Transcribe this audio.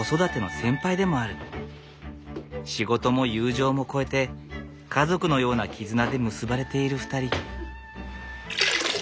仕事も友情も超えて家族のような絆で結ばれている２人。